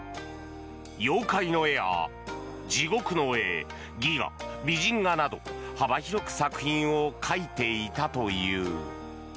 妖怪の絵や地獄の絵、戯画、美人画など幅広く作品を描いていたという。